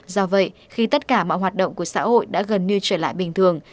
do vậy khi tất cả mọi hoạt động của xã hội đã gần như trở lại bình thường